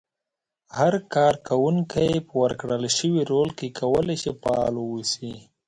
هر کار کوونکی په ورکړل شوي رول کې کولای شي فعال واوسي.